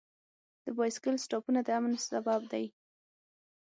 د بایسکل سټاپونه د امن سبب دی.